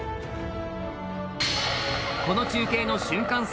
この中継の瞬間